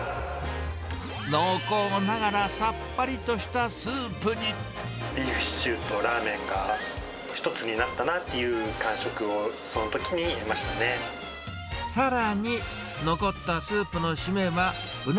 濃厚ながらさっぱりとしたスビーフシチューとラーメンが、一つになったなっていう感触を、さらに、残ったスープの締め